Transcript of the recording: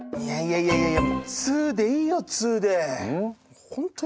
いやいやいや。